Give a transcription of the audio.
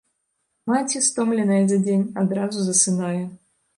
Маці, стомленая за дзень, адразу засынае.